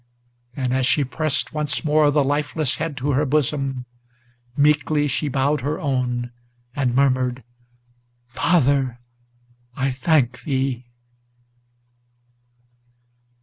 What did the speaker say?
And, as she pressed once more the lifeless head to her bosom, Meekly she bowed her own, and murmured, "Father, I thank thee!"